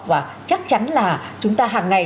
và chắc chắn là chúng ta hàng ngày